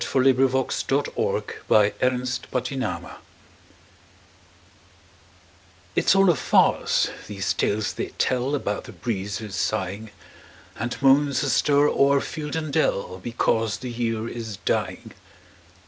Paul Laurence Dunbar Merry Autumn IT'S all a farce, these tales they tell About the breezes sighing, And moans astir o'er field and dell, Because the year is dying.